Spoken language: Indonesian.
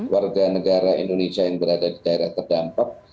warga negara indonesia yang berada di daerah terdampak